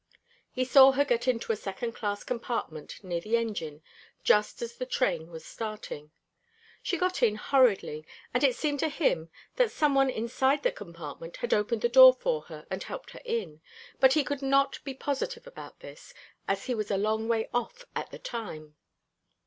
He saw her get into a second class compartment near the engine just as the train was starting. She got in hurriedly, and it seemed to him that some one inside the compartment had opened the door for her and helped her in; but he could not be positive about this, as he was a long way off at the time.